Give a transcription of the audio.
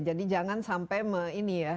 jadi jangan sampai menggeruk